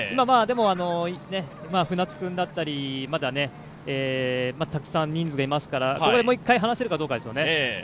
でも舟津君だったり、まだたくさん人数がいますから、ここでもう一回離せるかどうかですよね。